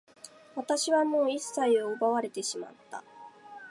私はもう一切を奪われてしまった。